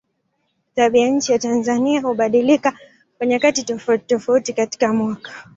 Tabianchi ya Tanzania hubadilika kwa nyakati tofautitofauti katika mwaka.